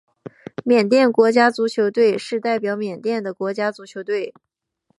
缅甸国家足球队是代表缅甸的国家足球队。